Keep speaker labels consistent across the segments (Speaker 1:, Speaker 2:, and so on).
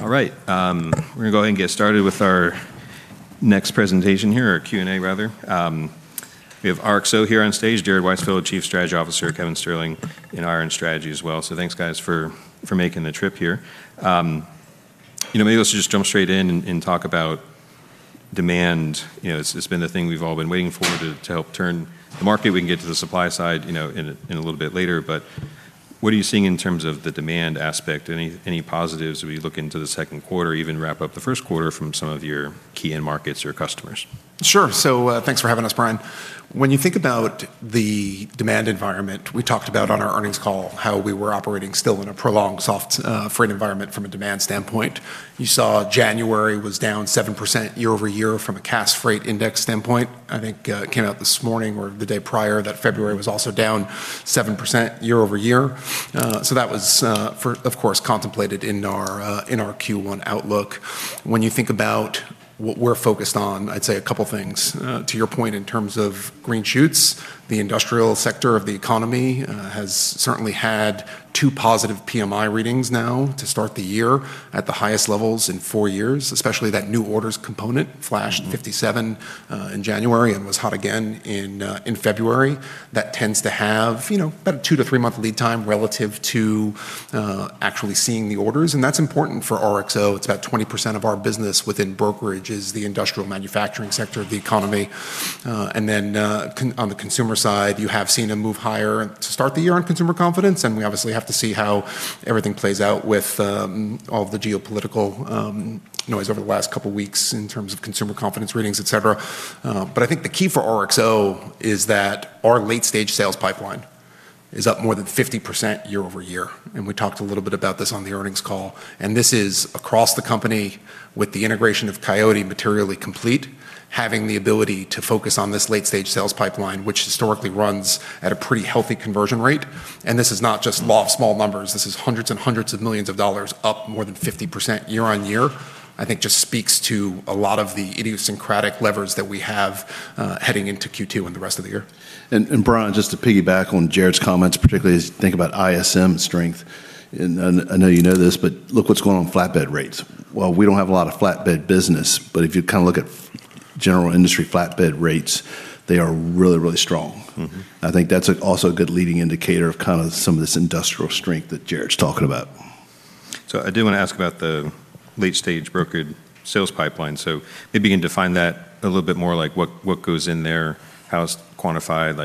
Speaker 1: All right. We're gonna go ahead and get started with our next presentation here, or Q&A rather. We have RXO here on stage, Jared Weisfeld, Chief Strategy Officer, Kevin Sterling in IR and Strategy as well. Thanks, guys, for making the trip here. You know, maybe let's just jump straight in and talk about demand. You know, it's been the thing we've all been waiting for to help turn the market. We can get to the supply side, you know, in a little bit later. What are you seeing in terms of the demand aspect? Any positives as we look into the second quarter, even wrap up the first quarter from some of your key end markets or customers?
Speaker 2: Sure. Thanks for having us, Brian. When you think about the demand environment, we talked about on our earnings call how we were operating still in a prolonged soft freight environment from a demand standpoint. You saw January was down 7% year-over-year from a Cass Freight Index standpoint. I think it came out this morning or the day prior that February was also down 7% year-over-year. So that was, of course, contemplated in our Q1 outlook. When you think about what we're focused on, I'd say a couple things. To your point, in terms of green shoots, the industrial sector of the economy has certainly had two positive PMI readings now to start the year at the highest levels in four years, especially that new orders component flashed 57 in January and was hot again in February. That tends to have, you know, about a two to three month lead time relative to actually seeing the orders, and that's important for RXO. It's about 20% of our business within brokerage is the industrial manufacturing sector of the economy. On the consumer side, you have seen a move higher to start the year on consumer confidence, and we obviously have to see how everything plays out with all of the geopolitical noise over the last couple weeks in terms of consumer confidence readings, etc. I think the key for RXO is that our late-stage sales pipeline is up more than 50% year-over-year, and we talked a little bit about this on the earnings call. This is across the company with the integration of Coyote materially complete, having the ability to focus on this late-stage sales pipeline, which historically runs at a pretty healthy conversion rate. This is not just law of small numbers. This is hundreds and hundreds of millions of dollars up more than 50% year-over-year, I think just speaks to a lot of the idiosyncratic levers that we have, heading into Q2 and the rest of the year.
Speaker 3: Brian, just to piggyback on Jared's comments, particularly as you think about ISM strength, and I know you know this, but look what's going on with flatbed rates. While we don't have a lot of flatbed business, but if you kinda look at general industry flatbed rates, they are really, really strong.
Speaker 1: Mm-hmm.
Speaker 3: I think that's also a good leading indicator of kinda some of this industrial strength that Jared's talking about.
Speaker 1: I do wanna ask about the late-stage brokered sales pipeline. Maybe you can define that a little bit more, like what goes in there? How it's quantified?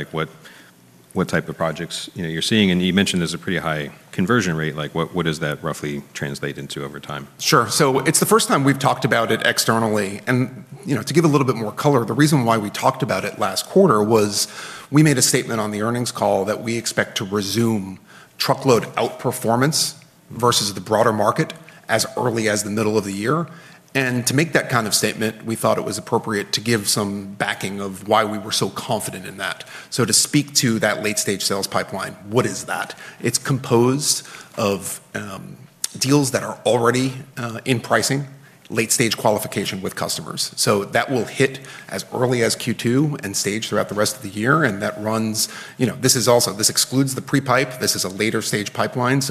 Speaker 1: Like, what type of projects, you know, you're seeing? You mentioned there's a pretty high conversion rate. Like, what does that roughly translate into over time?
Speaker 2: Sure. It's the first time we've talked about it externally, and, you know, to give a little bit more color, the reason why we talked about it last quarter was we made a statement on the earnings call that we expect to resume truckload outperformance versus the broader market as early as the middle of the year. To make that kind of statement, we thought it was appropriate to give some backing of why we were so confident in that. To speak to that late-stage sales pipeline, what is that? It's composed of deals that are already in pricing, late-stage qualification with customers. That will hit as early as Q2 and stage throughout the rest of the year, and that runs, you know. This is also, this excludes the pre-pipe. This is a later stage pipeline,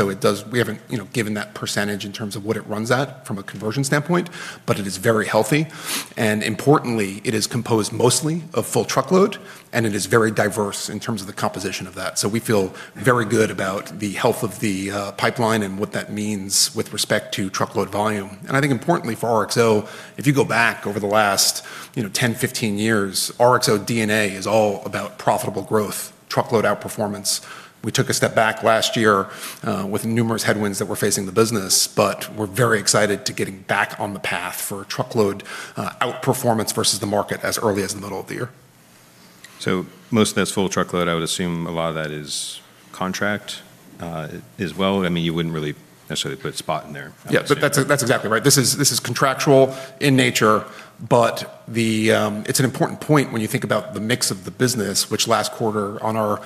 Speaker 2: We haven't, you know, given that percentage in terms of what it runs at from a conversion standpoint, but it is very healthy. Importantly, it is composed mostly of full truckload, and it is very diverse in terms of the composition of that. We feel very good about the health of the pipeline and what that means with respect to truckload volume. I think importantly for RXO, if you go back over the last, you know, 10, 15 years, RXO DNA is all about profitable growth, truckload outperformance. We took a step back last year with numerous headwinds that were facing the business, but we're very excited to getting back on the path for truckload outperformance versus the market as early as the middle of the year.
Speaker 1: Most of that's full truckload. I would assume a lot of that is contract, as well. I mean, you wouldn't really necessarily put spot in there.
Speaker 2: Yeah, but that's exactly right. This is contractual in nature, it's an important point when you think about the mix of the business, which last quarter on our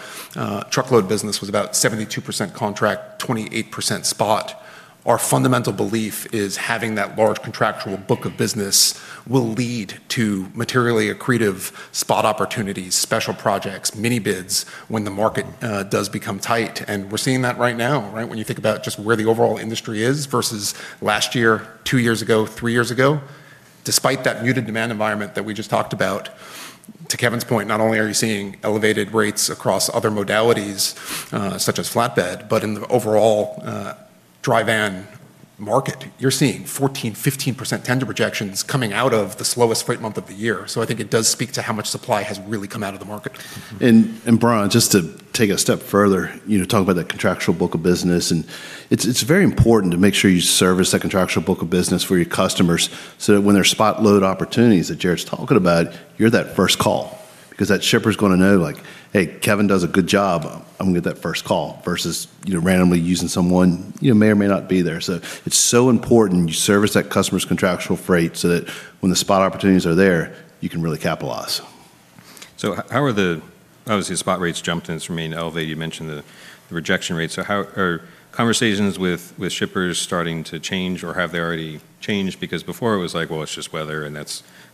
Speaker 2: truckload business was about 72% contract, 28% spot. Our fundamental belief is having that large contractual book of business will lead to materially accretive spot opportunities, special projects, mini bids when the market does become tight. We're seeing that right now, right? When you think about just where the overall industry is versus last year, two years ago, three years ago, despite that muted demand environment that we just talked about, to Kevin's point, not only are you seeing elevated rates across other modalities, such as flatbed, but in the overall, dry van market, you're seeing 14%, 15% tender rejections coming out of the slowest freight month of the year. I think it does speak to how much supply has really come out of the market.
Speaker 3: Brian, just to take it a step further, you know, talk about that contractual book of business, and it's very important to make sure you service that contractual book of business for your customers so that when there's spot load opportunities that Jared's talking about, you're that first call, because that shipper's gonna know, like, "Hey, Kevin does a good job. I'm gonna get that first call," versus, you know, randomly using someone, you know, may or may not be there. It's so important you service that customer's contractual freight so that when the spot opportunities are there, you can really capitalize.
Speaker 1: How are obviously the spot rates jumped and it's remained elevated. You mentioned the rejection rate. How are conversations with shippers starting to change, or have they already changed? Because before it was like, "Well, it's just weather, and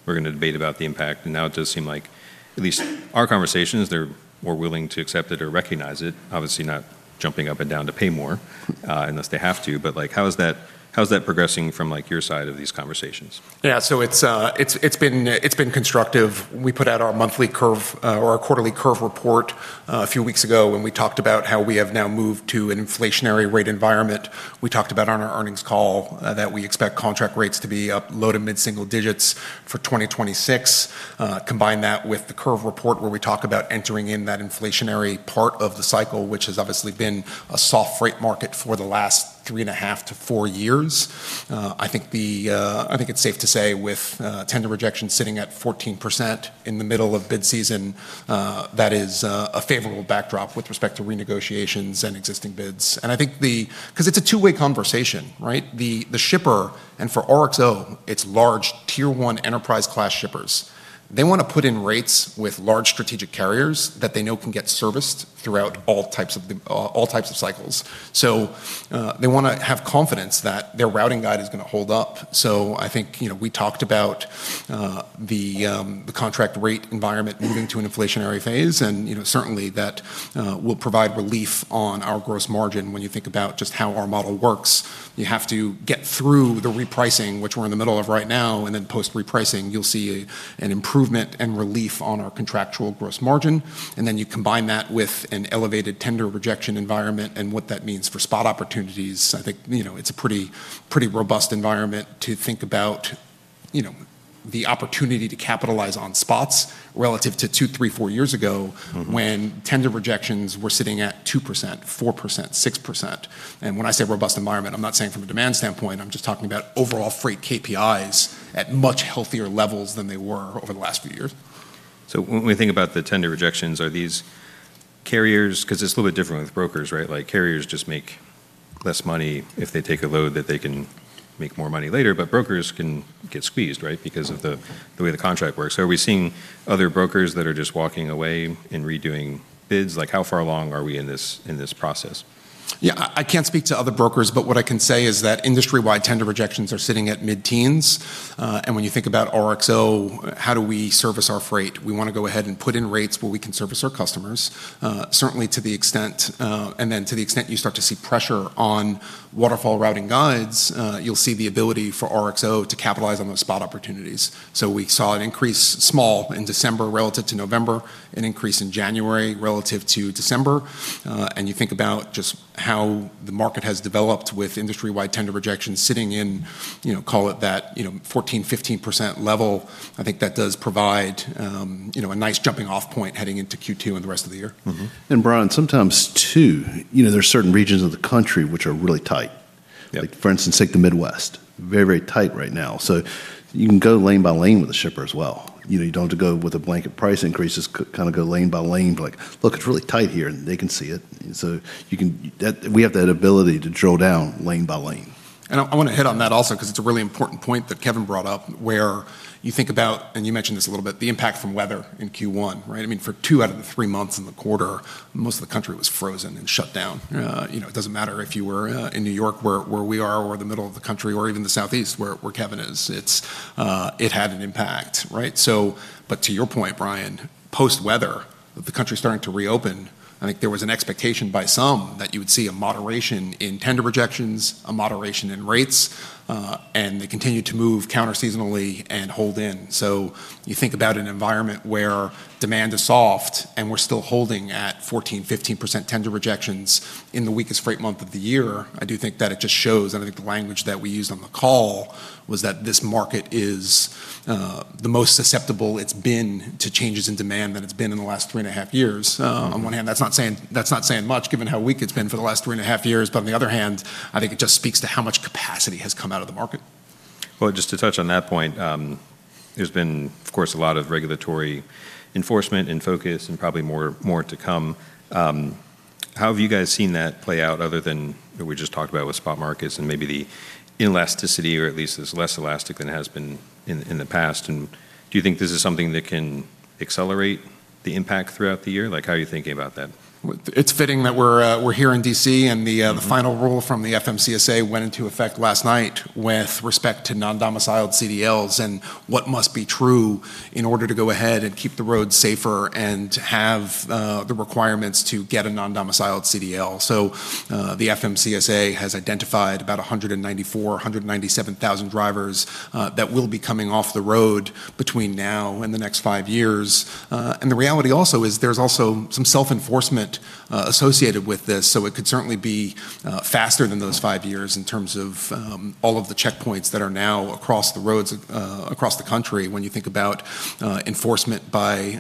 Speaker 1: we're gonna debate about the impact." Now it does seem like at least our conversations, they're more willing to accept it or recognize it, obviously not jumping up and down to pay more, unless they have to. Like, how's that progressing from, like, your side of these conversations?
Speaker 2: Yeah. It's been constructive. We put out our monthly curve, or our quarterly curve report a few weeks ago when we talked about how we have now moved to an inflationary rate environment. We talked about on our earnings call that we expect contract rates to be up low to mid-single digits for 2026. Combine that with the curve report where we talk about entering in that inflationary part of the cycle, which has obviously been a soft freight market for the last 3.5 to four years. I think it's safe to say with tender rejections sitting at 14% in the middle of bid season that is a favorable backdrop with respect to renegotiations and existing bids. I think 'cause it's a two-way conversation, right? The shipper and for RXO, it's large tier one enterprise class shippers, they wanna put in rates with large strategic carriers that they know can get serviced throughout all types of cycles. They wanna have confidence that their routing guide is gonna hold up. I think, you know, we talked about the contract rate environment moving to an inflationary phase and you know, certainly that will provide relief on our gross margin when you think about just how our model works. You have to get through the repricing, which we're in the middle of right now, and then post-repricing, you'll see an improvement and relief on our contractual gross margin. You combine that with an elevated tender rejection environment and what that means for spot opportunities. I think, you know, it's a pretty robust environment to think about, you know, the opportunity to capitalize on spots relative to two, three, four years ago.
Speaker 1: Mm-hmm
Speaker 2: When tender rejections were sitting at 2%, 4%, 6%. When I say robust environment, I'm not saying from a demand standpoint, I'm just talking about overall freight KPIs at much healthier levels than they were over the last few years.
Speaker 1: When we think about the tender rejections, are these carriers, 'cause it's a little bit different with brokers, right? Like, carriers just make less money if they take a load that they can make more money later, but brokers can get squeezed, right? Because of the way the contract works. Are we seeing other brokers that are just walking away and redoing bids? Like, how far along are we in this process?
Speaker 2: Yeah. I can't speak to other brokers, but what I can say is that industry-wide tender rejections are sitting at mid-teens. When you think about RXO, how do we service our freight? We want to go ahead and put in rates where we can service our customers, certainly to the extent and then to the extent you start to see pressure on waterfall routing guides, you'll see the ability for RXO to capitalize on those spot opportunities. We saw an increase, small, in December relative to November, an increase in January relative to December. You think about just how the market has developed with industry-wide tender rejections sitting in, you know, call it that, you know, 14, 15% level. I think that does provide, you know, a nice jumping off point heading into Q2 and the rest of the year.
Speaker 1: Mm-hmm.
Speaker 3: Brian, sometimes too, you know, there's certain regions of the country which are really tight.
Speaker 2: Yeah.
Speaker 3: Like for instance, take the Midwest, very, very tight right now. You can go lane by lane with a shipper as well. You know, you don't have to go with a blanket price increases, kinda go lane by lane, be like, "Look, it's really tight here," and they can see it. We have that ability to drill down lane by lane.
Speaker 2: I wanna hit on that also 'cause it's a really important point that Kevin brought up, where you think about, and you mentioned this a little bit, the impact from weather in Q1, right? I mean, for two out of the three months in the quarter, most of the country was frozen and shut down. You know, it doesn't matter if you were in New York where we are, or the middle of the country, or even the southeast where Kevin is. It had an impact, right? But to your point, Brian, post-weather, the country's starting to reopen. I think there was an expectation by some that you would see a moderation in tender rejections, a moderation in rates, and they continued to move counter-seasonally and hold in. You think about an environment where demand is soft and we're still holding at 14%-15% tender rejections in the weakest freight month of the year. I do think that it just shows, and I think the language that we used on the call was that this market is the most susceptible it's been to changes in demand than it's been in the last 3.5 years. On one hand, that's not saying much given how weak it's been for the last 3.5 years. On the other hand, I think it just speaks to how much capacity has come out of the market.
Speaker 1: Well, just to touch on that point, there's been, of course, a lot of regulatory enforcement and focus and probably more to come. How have you guys seen that play out other than what we just talked about with spot markets and maybe the elasticity, or at least is less elastic than it has been in the past? Do you think this is something that can accelerate the impact throughout the year? Like, how are you thinking about that?
Speaker 2: It's fitting that we're here in D.C., and the final rule from the FMCSA went into effect last night with respect to non-domiciled CDLs and what must be true in order to go ahead and keep the roads safer and to have the requirements to get a non-domiciled CDL. The FMCSA has identified about 194,000-197,000 drivers that will be coming off the road between now and the next five years. The reality also is there's also some self-enforcement associated with this, so it could certainly be faster than those five years in terms of all of the checkpoints that are now across the roads across the country when you think about enforcement by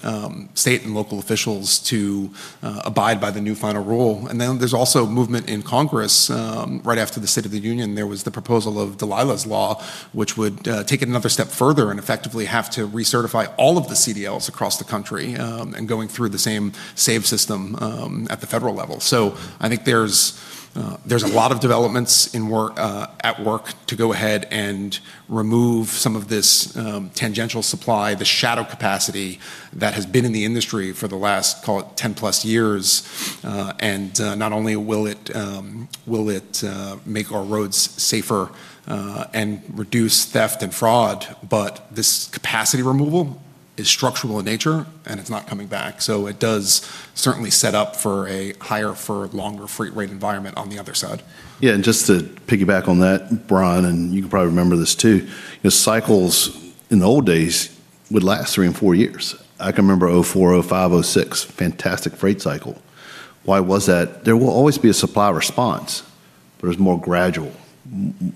Speaker 2: state and local officials to abide by the new final rule. There's also movement in Congress, right after the State of the Union, there was the proposal of Dalilah's Law, which would take it another step further and effectively have to recertify all of the CDLs across the country, and going through the same SAVE system at the federal level. I think there's a lot of developments at work to go ahead and remove some of this tangential supply, the shadow capacity that has been in the industry for the last, call it, 10+ years. Not only will it make our roads safer and reduce theft and fraud. This capacity removal is structural in nature, and it's not coming back. It does certainly set up for a higher, for longer freight rate environment on the other side.
Speaker 3: Yeah. Just to piggyback on that, Brian, and you can probably remember this too. The cycles in the old days would last three and four years. I can remember 2004, 2005, 2006, fantastic freight cycle. Why was that? There will always be a supply response, but it's more gradual,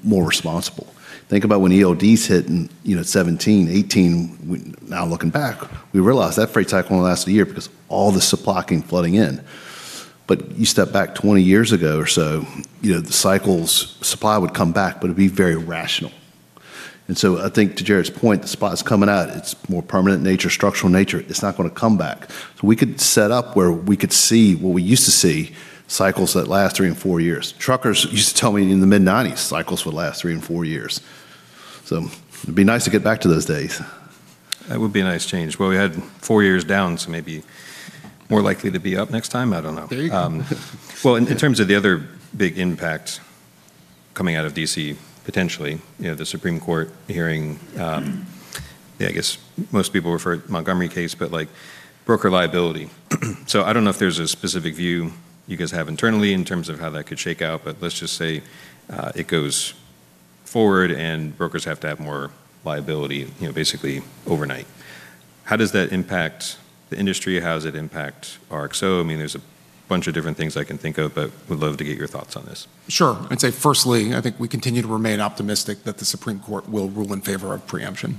Speaker 3: more responsible. Think about when ELDs hit in, you know, 2017, 2018. Now looking back, we realize that freight cycle only lasted a year because all the supply came flooding in. You step back 20 years ago or so, you know, the cycles, supply would come back, but it'd be very rational. I think to Jared's point, the spot's coming out, it's more permanent nature, structural nature. It's not gonna come back. We could set up where we could see what we used to see, cycles that last three and four years. Truckers used to tell me in the mid-1990s, cycles would last three and four years. It'd be nice to get back to those days.
Speaker 1: That would be a nice change. Well, we had four years down, so maybe more likely to be up next time. I don't know.
Speaker 2: There you go.
Speaker 1: Well, in terms of the other big impacts coming out of D.C., potentially, you know, the Supreme Court hearing.
Speaker 3: Mm-hmm.
Speaker 1: Yeah, I guess most people refer to the Montgomery case, but like broker liability. I don't know if there's a specific view you guys have internally in terms of how that could shake out, but let's just say it goes forward and brokers have to have more liability, you know, basically overnight. How does that impact the industry? How does it impact RXO? I mean, there's a bunch of different things I can think of, but would love to get your thoughts on this.
Speaker 2: Sure. I'd say firstly, I think we continue to remain optimistic that the Supreme Court will rule in favor of preemption.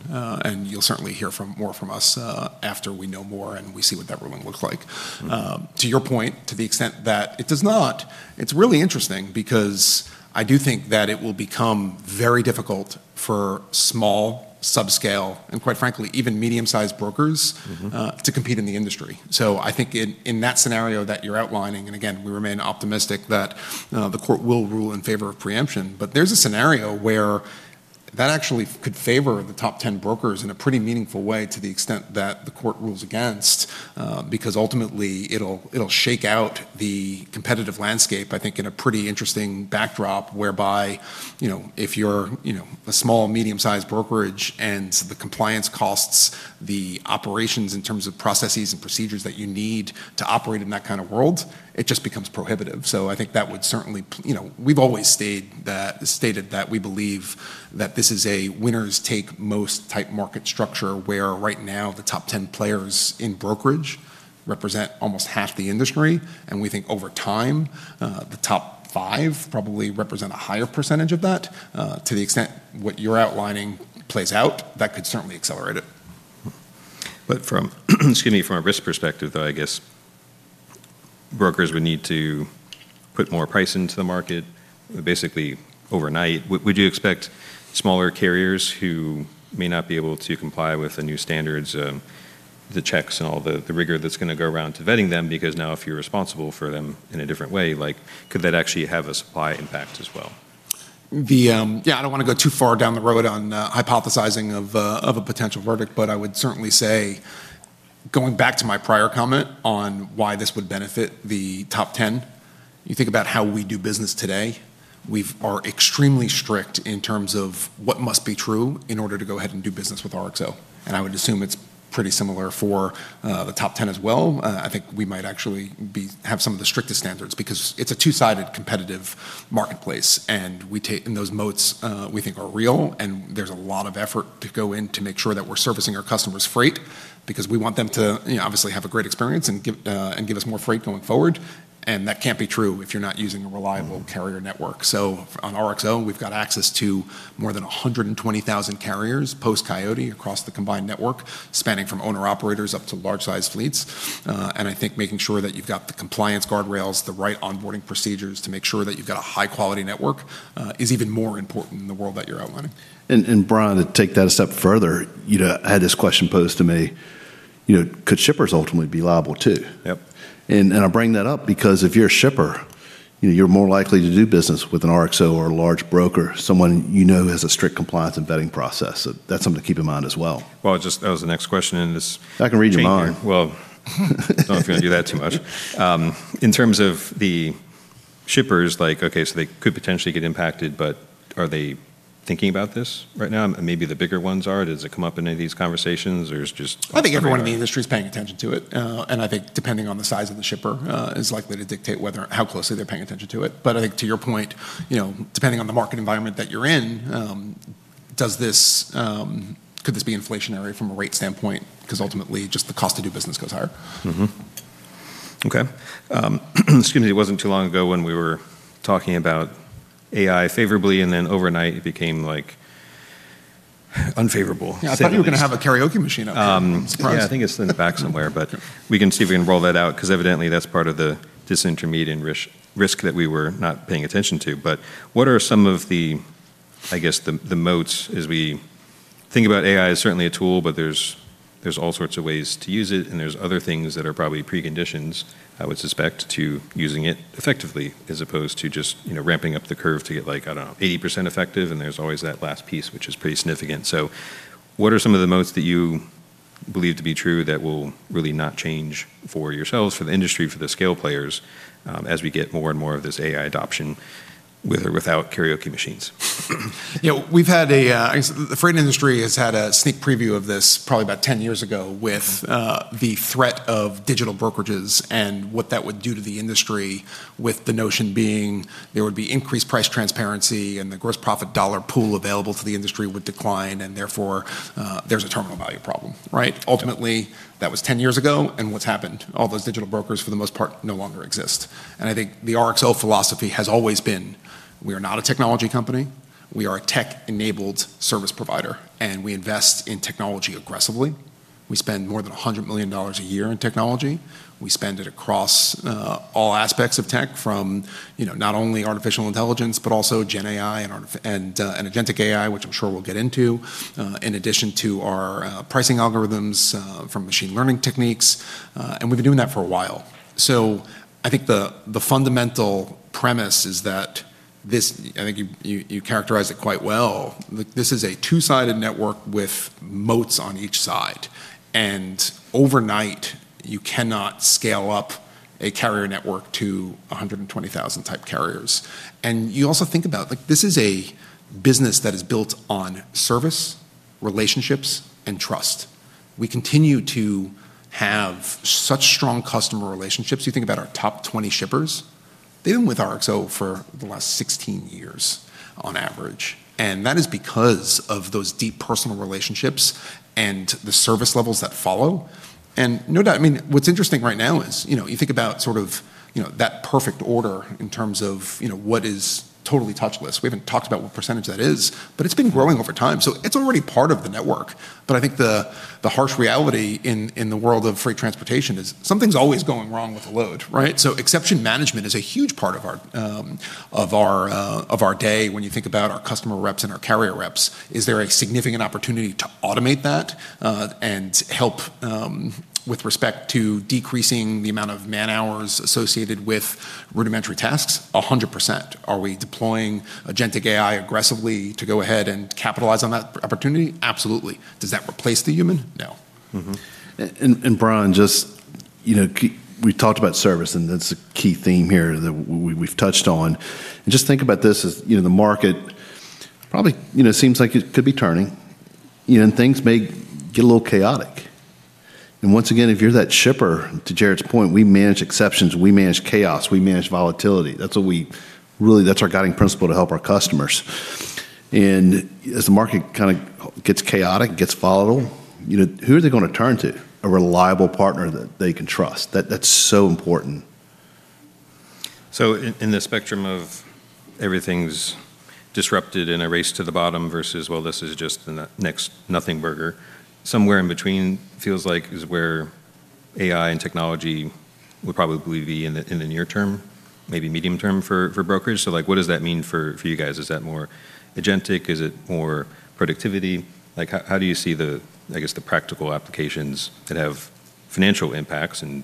Speaker 2: You'll certainly hear more from us after we know more and we see what that ruling looks like.
Speaker 1: Mm-hmm.
Speaker 2: To your point, to the extent that it does not, it's really interesting because I do think that it will become very difficult for small, subscale, and quite frankly, even medium-sized brokers.
Speaker 1: Mm-hmm
Speaker 2: To compete in the industry. I think in that scenario that you're outlining, and again, we remain optimistic that the court will rule in favor of preemption. There's a scenario where that actually could favor the top ten brokers in a pretty meaningful way to the extent that the court rules against, because ultimately it'll shake out the competitive landscape, I think, in a pretty interesting backdrop whereby, you know, if you're, you know, a small, medium-sized brokerage and the compliance costs, the operations in terms of processes and procedures that you need to operate in that kind of world, it just becomes prohibitive. I think that would certainly, you know, we've always stated that we believe that this is a winners take most type market structure, where right now the top 10 players in brokerage represent almost half the industry. We think over time, the top five probably represent a higher percentage of that. To the extent what you're outlining plays out, that could certainly accelerate it.
Speaker 1: From a risk perspective, though, I guess brokers would need to put more price into the market basically overnight. Would you expect smaller carriers who may not be able to comply with the new standards, the checks and all the rigor that's gonna go around to vetting them because now if you're responsible for them in a different way, like could that actually have a supply impact as well?
Speaker 2: I don't wanna go too far down the road on hypothesizing of a potential verdict, but I would certainly say, going back to my prior comment on why this would benefit the top ten, you think about how we do business today. We are extremely strict in terms of what must be true in order to go ahead and do business with RXO, and I would assume it's pretty similar for the top ten as well. I think we might actually have some of the strictest standards because it's a two-sided competitive marketplace, and those moats, we think are real, and there's a lot of effort to go in to make sure that we're servicing our customers' freight because we want them to, you know, obviously have a great experience and give us more freight going forward. That can't be true if you're not using a reliable carrier network. On RXO, we've got access to more than 120,000 carriers post Coyote across the combined network, spanning from owner-operators up to large-sized fleets. I think making sure that you've got the compliance guardrails, the right onboarding procedures to make sure that you've got a high-quality network is even more important in the world that you're outlining.
Speaker 3: Brian, to take that a step further, you know, I had this question posed to me, you know, could shippers ultimately be liable too?
Speaker 2: Yep.
Speaker 3: I bring that up because if you're a shipper, you know, you're more likely to do business with an RXO or a large broker, someone you know has a strict compliance and vetting process. That's something to keep in mind as well.
Speaker 1: Well, just that was the next question, and this.
Speaker 3: I can read your mind....
Speaker 1: changed here. Well, I don't feel I do that too much. In terms of the shippers, like, okay, so they could potentially get impacted, but are they thinking about this right now? Maybe the bigger ones are. Does it come up in any of these conversations, or is just.
Speaker 2: I think everyone in the industry is paying attention to it. I think depending on the size of the shipper is likely to dictate whether or how closely they're paying attention to it. I think to your point, you know, depending on the market environment that you're in, could this be inflationary from a rate standpoint? 'Cause ultimately just the cost to do business goes higher.
Speaker 1: Excuse me. It wasn't too long ago when we were talking about AI favorably, and then overnight it became, like, unfavorable.
Speaker 2: Yeah, I thought you were gonna have a karaoke machine up here.
Speaker 1: Um-
Speaker 2: I'm surprised.
Speaker 1: Yeah, I think it's in the back somewhere, but we can see if we can roll that out 'cause evidently that's part of the disintermediation risk that we were not paying attention to. What are some of the, I guess, the moats as we think about AI as certainly a tool, but there's all sorts of ways to use it, and there's other things that are probably preconditions, I would suspect, to using it effectively as opposed to just, you know, ramping up the curve to get like, I don't know, 80% effective, and there's always that last piece, which is pretty significant. What are some of the moats that you believe to be true that will really not change for yourselves, for the industry, for the scale players, as we get more and more of this AI adoption with or without karaoke machines.
Speaker 2: You know, we've had a, I guess the freight industry has had a sneak preview of this probably about 10 years ago with, the threat of digital brokerages and what that would do to the industry, with the notion being there would be increased price transparency, and the gross profit dollar pool available to the industry would decline, and therefore, there's a terminal value problem, right? Ultimately, that was 10 years ago, and what's happened? All those digital brokers, for the most part, no longer exist. I think the RXO philosophy has always been, we are not a technology company, we are a tech-enabled service provider, and we invest in technology aggressively. We spend more than $100 million a year in technology. We spend it across all aspects of tech from, you know, not only artificial intelligence, but also Gen AI and Agentic AI, which I'm sure we'll get into in addition to our pricing algorithms from machine learning techniques and we've been doing that for a while. I think the fundamental premise is that I think you characterized it quite well. This is a two-sided network with moats on each side. Overnight, you cannot scale up a carrier network to a 120,000 type carriers. You also think about, like this is a business that is built on service, relationships, and trust. We continue to have such strong customer relationships. You think about our top 20 shippers, they've been with RXO for the last 16 years on average. That is because of those deep personal relationships and the service levels that follow. No doubt, I mean, what's interesting right now is, you know, you think about sort of, you know, that perfect order in terms of, you know, what is totally touchless. We haven't talked about what percentage that is, but it's been growing over time. It's already part of the network. I think the harsh reality in the world of freight transportation is something's always going wrong with the load, right? Exception management is a huge part of our day when you think about our customer reps and our carrier reps. Is there a significant opportunity to automate that and help with respect to decreasing the amount of man-hours associated with rudimentary tasks? 100%. Are we deploying Agentic AI aggressively to go ahead and capitalize on that opportunity? Absolutely. Does that replace the human? No.
Speaker 1: Mm-hmm.
Speaker 3: Brian, just, you know, we talked about service, and that's a key theme here that we've touched on. Just think about this as, you know, the market probably, you know, seems like it could be turning, you know, and things may get a little chaotic. Once again, if you're that shipper, to Jared's point, we manage exceptions, we manage chaos, we manage volatility. Really, that's our guiding principle to help our customers. As the market kinda gets chaotic, gets volatile, you know, who are they gonna turn to? A reliable partner that they can trust. That's so important.
Speaker 1: In the spectrum of everything's disrupted in a race to the bottom versus, well, this is just the next nothing burger, somewhere in between feels like is where AI and technology would probably be in the near term, maybe medium term for brokerage. Like what does that mean for you guys? Is that more agentic? Is it more productivity? Like how do you see the, I guess, the practical applications that have financial impacts and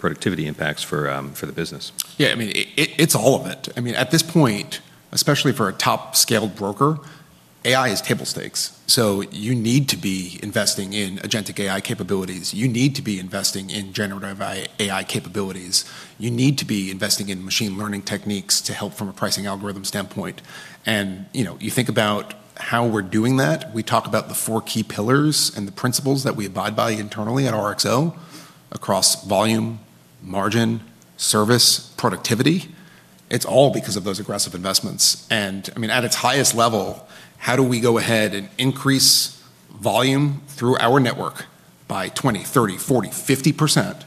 Speaker 1: productivity impacts for the business?
Speaker 2: Yeah, I mean, it’s all of it. I mean, at this point, especially for a top-scale broker, AI is table stakes. You need to be investing in agentic AI capabilities. You need to be investing in generative AI capabilities. You need to be investing in machine learning techniques to help from a pricing algorithm standpoint. You know, you think about how we're doing that. We talk about the four key pillars and the principles that we abide by internally at RXO across volume, margin, service, productivity. It's all because of those aggressive investments. I mean, at its highest level, how do we go ahead and increase volume through our network by 20%, 30%, 40%, 50%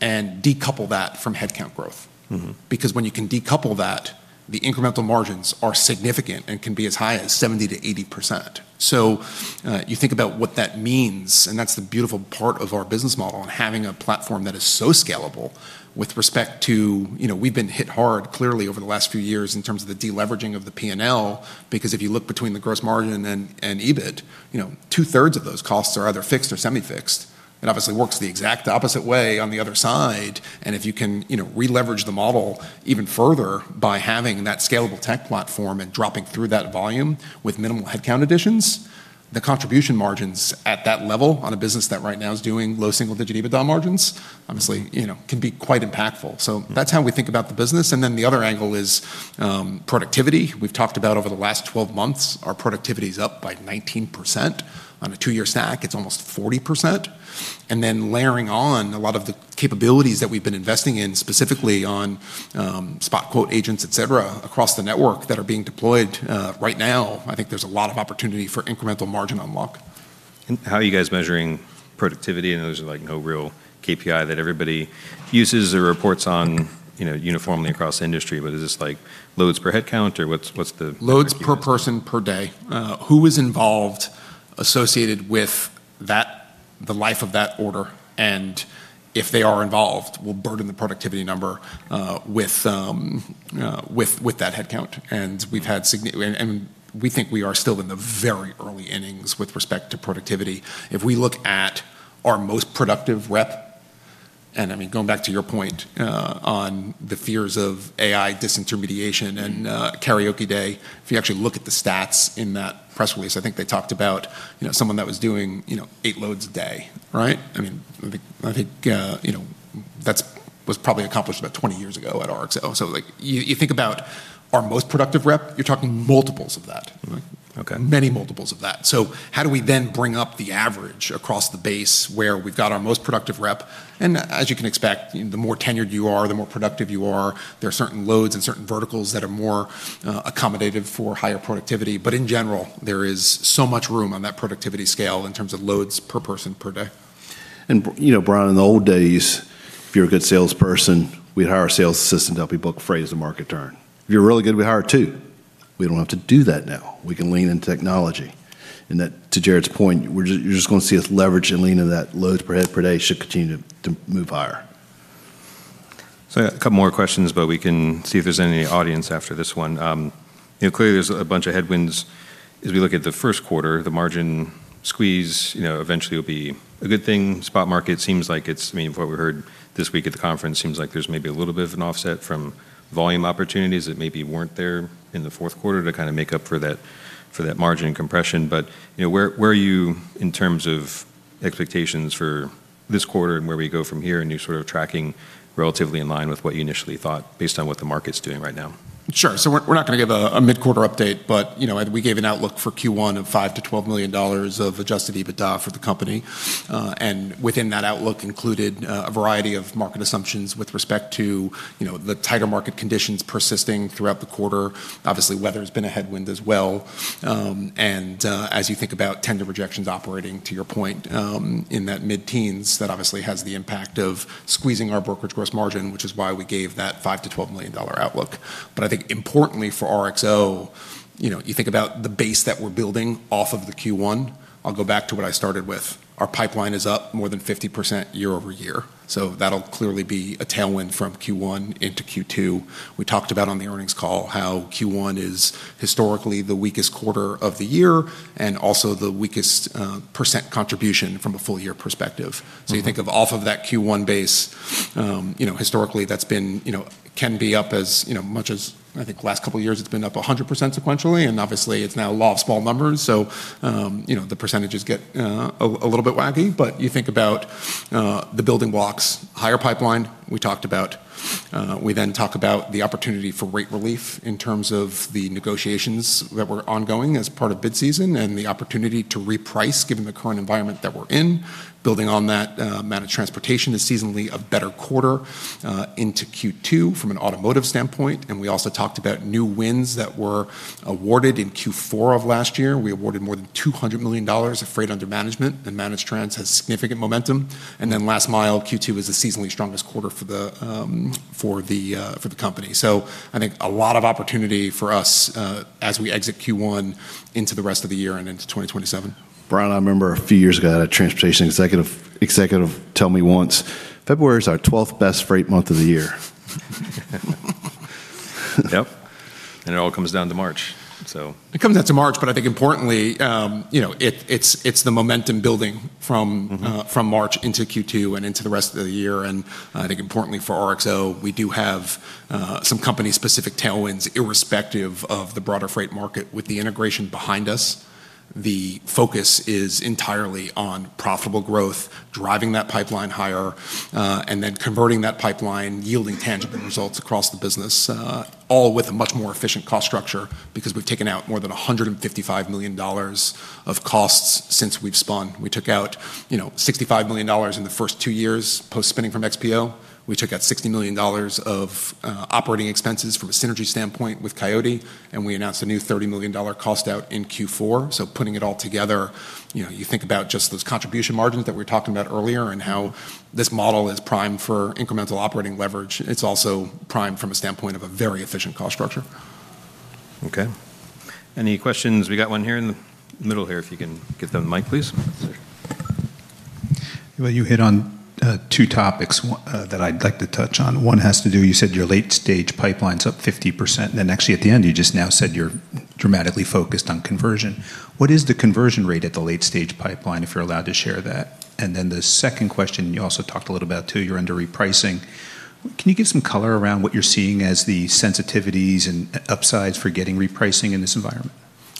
Speaker 2: and decouple that from headcount growth?
Speaker 1: Mm-hmm.
Speaker 2: Because when you can decouple that, the incremental margins are significant and can be as high as 70%-80%. You think about what that means, and that's the beautiful part of our business model and having a platform that is so scalable with respect to, you know, we've been hit hard clearly over the last few years in terms of the deleveraging of the P&L, because if you look between the gross margin and EBIT, you know, two-thirds of those costs are either fixed or semi-fixed. It obviously works the exact opposite way on the other side, and if you can, you know, releverage the model even further by having that scalable tech platform and dropping through that volume with minimal headcount additions, the contribution margins at that level on a business that right now is doing low single-digit EBITDA margins, obviously, you know, can be quite impactful. That's how we think about the business. Then the other angle is, productivity. We've talked about over the last 12 months, our productivity is up by 19%. On a two-year stack, it's almost 40%. Then layering on a lot of the capabilities that we've been investing in, specifically on, spot quote agents, et cetera, across the network that are being deployed, right now, I think there's a lot of opportunity for incremental margin unlock.
Speaker 1: How are you guys measuring productivity? I know there's like no real KPI that everybody uses or reports on, you know, uniformly across the industry. Is this like loads per headcount or what's the KPI?
Speaker 2: Loads per person per day. Who is involved associated with that, the life of that order, and if they are involved, we'll burden the productivity number with that headcount. We think we are still in the very early innings with respect to productivity. If we look at our most productive rep. I mean, going back to your point on the fears of AI disintermediation and karaoke day, if you actually look at the stats in that press release, I think they talked about, you know, someone that was doing, you know, eight loads a day, right? I mean, I think you know, that was probably accomplished about 20 years ago at RXO. Like, you think about our most productive rep, you're talking multiples of that.
Speaker 1: Right. Okay.
Speaker 2: Many multiples of that. How do we then bring up the average across the base where we've got our most productive rep? As you can expect, you know, the more tenured you are, the more productive you are. There are certain loads and certain verticals that are more accommodative for higher productivity. In general, there is so much room on that productivity scale in terms of loads per person per day.
Speaker 3: You know, Brian, in the old days, if you're a good salesperson, we'd hire a sales assistant to help you book freight as a market turn. If you're really good, we hire two. We don't have to do that now. We can lean into technology. That, to Jared's point, you're just gonna see us leverage and lean into that loads per head per day should continue to move higher.
Speaker 1: I got a couple more questions, but we can see if there's any audience after this one. You know, clearly there's a bunch of headwinds as we look at the first quarter, the margin squeeze, you know, eventually will be a good thing. Spot market seems like it's, I mean, from what we heard this week at the conference, seems like there's maybe a little bit of an offset from volume opportunities that maybe weren't there in the fourth quarter to kind of make up for that margin compression. You know, where are you in terms of expectations for this quarter and where we go from here? You're sort of tracking relatively in line with what you initially thought based on what the market's doing right now.
Speaker 2: Sure. We're not gonna give a mid-quarter update, but you know, we gave an outlook for Q1 of $5-12 million of adjusted EBITDA for the company. Within that outlook included a variety of market assumptions with respect to you know, the tighter market conditions persisting throughout the quarter. Obviously, weather's been a headwind as well. As you think about tender rejections operating, to your point, in that mid-teens, that obviously has the impact of squeezing our brokerage gross margin, which is why we gave that $5-12 million outlook. I think importantly for RXO, you know, you think about the base that we're building off of the Q1, I'll go back to what I started with. Our pipeline is up more than 50% year-over-year, so that'll clearly be a tailwind from Q1 into Q2. We talked about on the earnings call how Q1 is historically the weakest quarter of the year, and also the weakest percent contribution from a full year perspective. You think of off of that Q1 base, you know, historically that's been, you know, can be up as, you know, much as I think the last couple years it's been up 100% sequentially, and obviously it's now law of small numbers, so, you know, the percentages get a little bit wacky. You think about the building blocks, higher pipeline, we talked about. We talk about the opportunity for rate relief in terms of the negotiations that were ongoing as part of bid season and the opportunity to reprice given the current environment that we're in. Building on that, managed transportation is seasonally a better quarter into Q2 from an automotive standpoint. We also talked about new wins that were awarded in Q4 of last year. We awarded more than $200 million of freight under management, and managed trans has significant momentum. Last mile, Q2 was the seasonally strongest quarter for the company. I think a lot of opportunity for us as we exit Q1 into the rest of the year and into 2027.
Speaker 3: Brian, I remember a few years ago I had a transportation executive tell me once, "February is our twelve best freight month of the year.
Speaker 1: Yep. It all comes down to March, so.
Speaker 2: It comes down to March, but I think importantly, you know, it's the momentum building from-
Speaker 1: Mm-hmm
Speaker 2: from March into Q2 and into the rest of the year. I think importantly for RXO, we do have some company-specific tailwinds irrespective of the broader freight market. With the integration behind us, the focus is entirely on profitable growth, driving that pipeline higher, and then converting that pipeline, yielding tangible results across the business, all with a much more efficient cost structure because we've taken out more than $155 million of costs since we've spun. We took out, you know, $65 million in the first two years post-spinning from XPO. We took out $60 million of operating expenses from a synergy standpoint with Coyote, and we announced a new $30 million cost out in Q4. Putting it all together, you know, you think about just those contribution margins that we were talking about earlier and how this model is primed for incremental operating leverage. It's also primed from a standpoint of a very efficient cost structure.
Speaker 1: Okay. Any questions? We got one here in the middle here, if you can get them the mic, please.
Speaker 3: Sure.
Speaker 4: Well, you hit on two topics that I'd like to touch on. One has to do, you said your late-stage pipeline's up 50%. Then actually at the end, you just now said you're dramatically focused on conversion. What is the conversion rate at the late-stage pipeline, if you're allowed to share that? And then the second question you also talked a little about, too, you're under repricing. Can you give some color around what you're seeing as the sensitivities and upsides for getting repricing in this environment?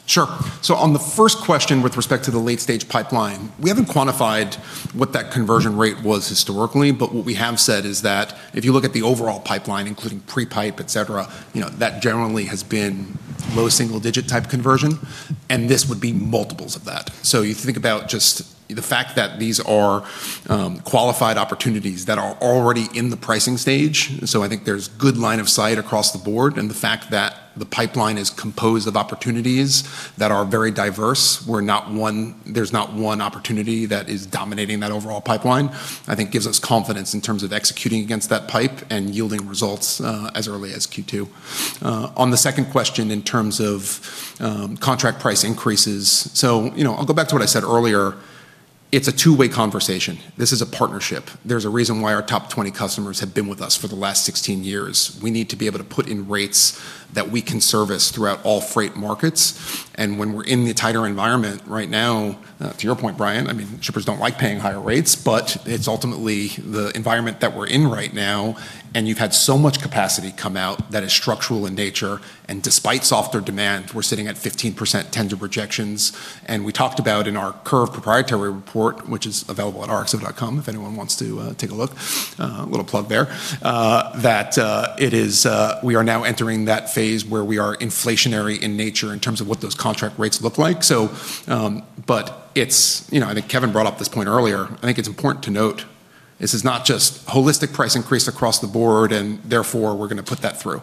Speaker 2: Sure. On the first question, with respect to the late-stage pipeline, we haven't quantified what that conversion rate was historically, but what we have said is that if you look at the overall pipeline, including pre-pipe, etc., you know, that generally has been low single digit type conversion, and this would be multiples of that. You think about just the fact that these are qualified opportunities that are already in the pricing stage. I think there's good line of sight across the board, and the fact that the pipeline is composed of opportunities that are very diverse, there's not one opportunity that is dominating that overall pipeline, I think gives us confidence in terms of executing against that pipe and yielding results as early as Q2. On the second question, in terms of contract price increases, you know, I'll go back to what I said earlier. It's a two-way conversation. This is a partnership. There's a reason why our top 20 customers have been with us for the last 16 years. We need to be able to put in rates that we can service throughout all freight markets. When we're in the tighter environment right now, to your point, Brian, I mean, shippers don't like paying higher rates, but it's ultimately the environment that we're in right now, and you've had so much capacity come out that is structural in nature, and despite softer demand, we're sitting at 15% tender rejections. We talked about in our curve proprietary report, which is available at rxo.com if anyone wants to take a look, a little plug there, that it is we are now entering that phase where we are inflationary in nature in terms of what those contract rates look like. It's, you know, I think Kevin brought up this point earlier. I think it's important to note this is not just holistic price increase across the board, and therefore we're gonna put that through.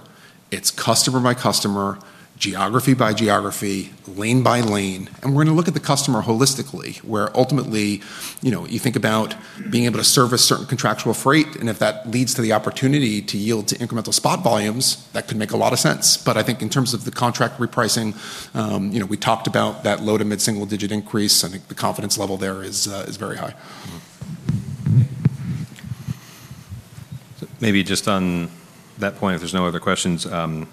Speaker 2: It's customer by customer, geography by geography, lane by lane, and we're gonna look at the customer holistically, where ultimately, you know, you think about being able to service certain contractual freight, and if that leads to the opportunity to yield to incremental spot volumes, that could make a lot of sense. I think in terms of the contract repricing, you know, we talked about that low to mid-single-digit increase. I think the confidence level there is very high.
Speaker 1: Maybe just on that point, if there's no other questions, I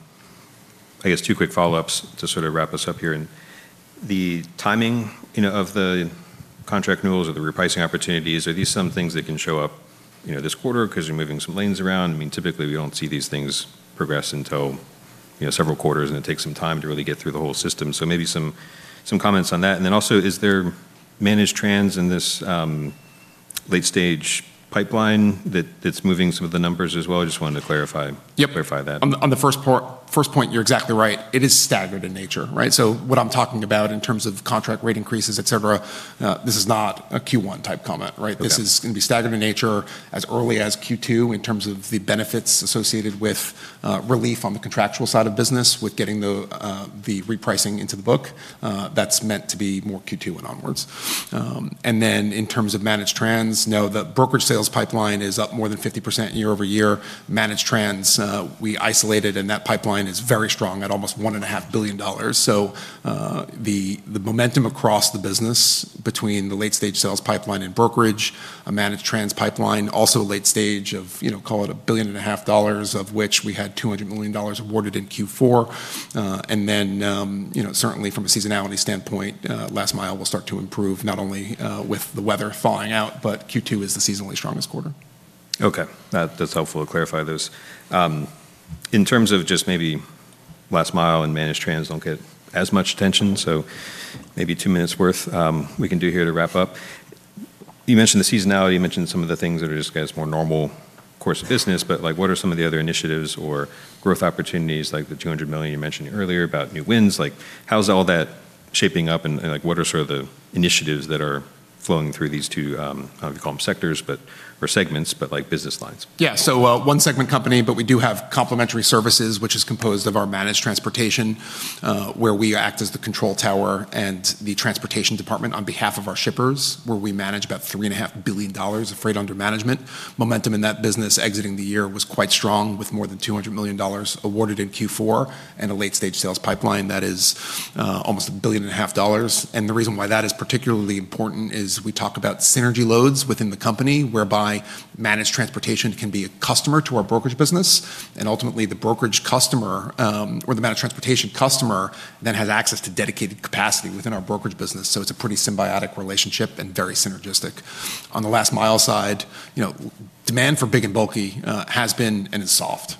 Speaker 1: guess two quick follow-ups to sort of wrap us up here. The timing, you know, of the contract renewals or the repricing opportunities, are these some things that can show up, you know, this quarter 'cause you're moving some lanes around? I mean, typically we don't see these things progress until, you know, several quarters, and it takes some time to really get through the whole system. Maybe some comments on that. Also, is there managed trans in this late-stage pipeline that's moving some of the numbers as well? I just wanted to clarify.
Speaker 2: Yep.
Speaker 1: Clarify that.
Speaker 2: On the first point, you're exactly right. It is staggered in nature, right? What I'm talking about in terms of contract rate increases, etc., this is not a Q1 type comment, right?
Speaker 1: Okay.
Speaker 2: This is gonna be staggered in nature as early as Q2 in terms of the benefits associated with relief on the contractual side of business with getting the repricing into the book. That's meant to be more Q2 and onwards. In terms of managed trans, no, the brokerage sales pipeline is up more than 50% year-over-year. Managed trans, we isolated, and that pipeline is very strong at almost $1.5 billion. The momentum across the business between the late-stage sales pipeline and brokerage, a managed trans pipeline, also late stage of, you know, call it $1.5 billion of which we had $200 million awarded in Q4. You know, certainly from a seasonality standpoint, last mile will start to improve, not only with the weather thawing out, but Q2 is the seasonally strongest quarter.
Speaker 1: Okay. That's helpful to clarify those. In terms of just maybe last mile and managed trans don't get as much attention, so maybe two minutes worth we can do here to wrap up. You mentioned the seasonality, you mentioned some of the things that are just kind of more normal course of business, but, like, what are some of the other initiatives or growth opportunities like the $200 million you mentioned earlier about new wins? Like, how's all that shaping up and, like, what are sort of the initiatives that are flowing through these two, I don't want to call them sectors but or segments, but, like, business lines?
Speaker 2: Yeah. One segment company, but we do have complementary services, which is composed of our managed transportation, where we act as the control tower and the transportation department on behalf of our shippers, where we manage about $3.5 billion of freight under management. Momentum in that business exiting the year was quite strong, with more than $200 million awarded in Q4 and a late-stage sales pipeline that is almost $1.5 billion. The reason why that is particularly important is we talk about synergy loads within the company, whereby managed transportation can be a customer to our brokerage business, and ultimately the brokerage customer or the managed transportation customer then has access to dedicated capacity within our brokerage business. It's a pretty symbiotic relationship and very synergistic. On the last mile side, you know, demand for big and bulky has been and is soft,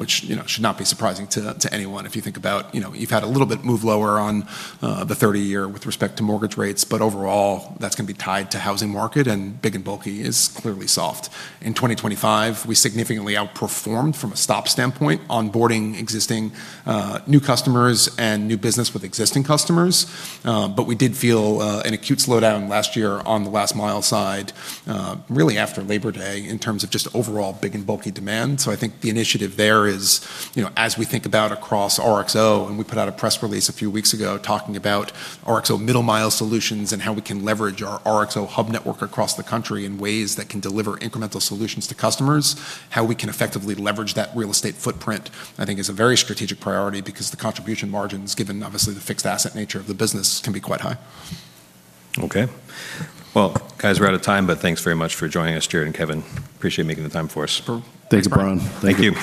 Speaker 2: which, you know, should not be surprising to anyone if you think about, you know, you've had a little bit move lower on the 30-year with respect to mortgage rates, but overall that's gonna be tied to housing market, and big and bulky is clearly soft. In 2025, we significantly outperformed from a stop standpoint, onboarding existing new customers and new business with existing customers. We did feel an acute slowdown last year on the last mile side, really after Labor Day in terms of just overall big and bulky demand. I think the initiative there is, you know, as we think about across RXO, and we put out a press release a few weeks ago talking about RXO Middle Mile Solutions and how we can leverage our RXO Hub Network across the country in ways that can deliver incremental solutions to customers. How we can effectively leverage that real estate footprint, I think, is a very strategic priority because the contribution margins, given obviously the fixed asset nature of the business, can be quite high.
Speaker 1: Okay. Well, guys, we're out of time, but thanks very much for joining us, Jared and Kevin. Appreciate making the time for us.
Speaker 2: Super. Thanks, Brian.
Speaker 1: Thank you.